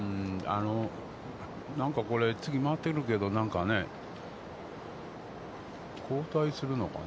なんかこれ、次回ってるけど、交代するのかな？